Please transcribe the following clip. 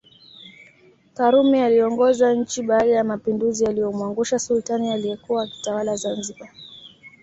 Karume aliongoza nchi baada ya mapinduzi yaliyomwangusha Sultani aliyekuwa akitawala Zanzibar